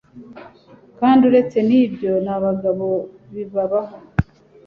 kandi uretse n'ibyo n'abagabo bibabaho